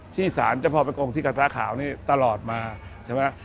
ที่สารเจ้าพ่อประกงที่กระตาขาวนี่ตลอดมาใช่ไหม